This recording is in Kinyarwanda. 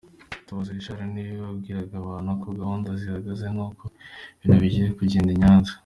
Mutabazi Richard niwe wabwiraga abantu uko gahunda zihagaze nuko ibintu bigiye kugenda i Nyanza.